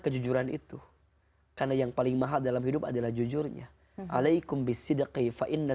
kejujuran itu karena yang paling mahal dalam hidup adalah jujurnya alaikum bisidakai fa'inna